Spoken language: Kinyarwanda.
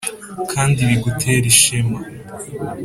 kandi bigutera ishema,